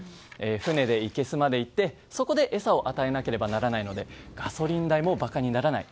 船でいけすまで行ってそこで餌を与えなければならないのでガソリン代も馬鹿にならない。